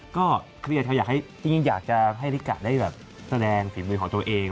ก็เครียดค่ะอยากให้จริงอยากจะให้ลิกะได้แบบแสดงฝีมือของตัวเอง